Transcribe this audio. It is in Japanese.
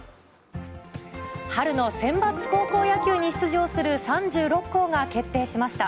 春のセンバツ高校野球に出場する３６校が決定しました。